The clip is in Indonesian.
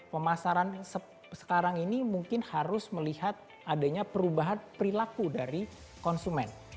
pemasaran sekarang ini mungkin harus melihat adanya perubahan perilaku dari konsumen